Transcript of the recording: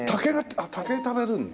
あっ竹食べるんだ。